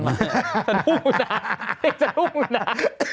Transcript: ดินเนี่ยสนุกอยู่หนา